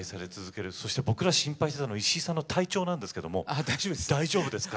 僕らが心配していたのは石井さんの体調なんですけれど大丈夫ですか。